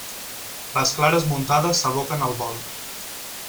Les clares muntades s'aboquen al bol.